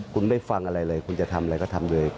คุณไม่ฟังอะไรเลยคุณจะทำอะไรก็ทำเลย